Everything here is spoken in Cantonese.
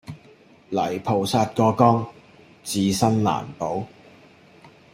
泥菩薩過江自身難保